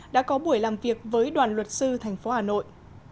đã có buổi làm việc với đoàn luật sư thành phố hà nội